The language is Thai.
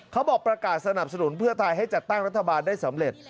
ประกาศสนับสนุนเพื่อไทยให้จัดตั้งรัฐบาลได้สำเร็จ